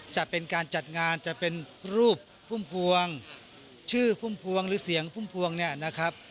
จะเป็นการจัดงานจะเป็นรูปพุ่มพวงชื่อพุ่มพวงหรือเสียงพุ่มพวงเนี่ยนะครับ